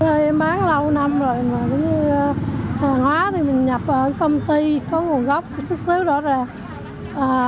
em bán lâu năm rồi mà cũng hàng hóa thì mình nhập ở công ty có nguồn gốc xuất xứ rõ ràng